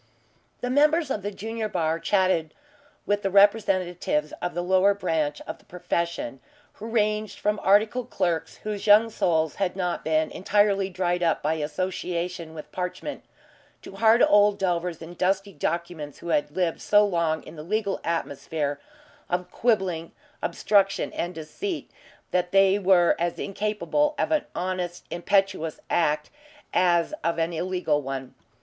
The members of the junior bar chatted with the representatives of the lower branch of the profession who ranged from articled clerks whose young souls had not been entirely dried up by association with parchment, to hard old delvers in dusty documents who had lived so long in the legal atmosphere of quibbling, obstruction, and deceit, that they were as incapable of an honest impetuous act as of an illegal one.